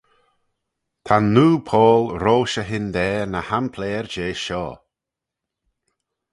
Ta'n noo Paul roish e hyndaa ny hampleyr jeh shoh.